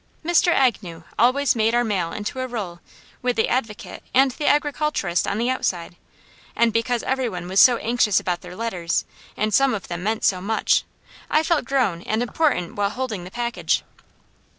Mr. Agnew always made our mail into a roll with the Advocate and the Agriculturist on the outside, and because every one was so anxious about their letters, and some of them meant so much, I felt grown and important while holding the package.